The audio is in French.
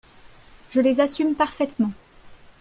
Je les assume parfaitement.